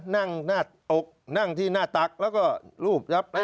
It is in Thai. แม่เอาเด็กมานั่งที่หน้าตักแล้วก็รูปแบบนี้